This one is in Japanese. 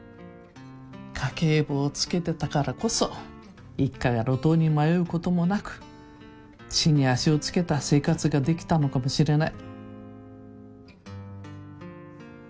家計簿をつけてたからこそ一家が路頭に迷うこともなく地に足をつけた生活ができたのかもしれない。